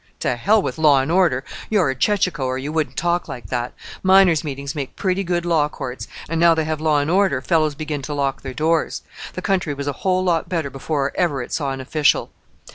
"To hell with law and order! You're a chechacho, or you wouldn't talk like that. Miners' meetings make pretty good law courts; and now they have law and order, fellows begin to lock their doors. The country was a whole lot better before ever it saw an official."